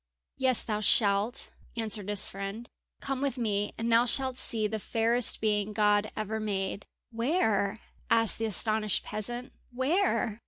"Yes, thou shalt," answered his friend. "Come with me and thou shalt see the fairest being God ever made!" "Where?" asked the astonished peasant, "where?"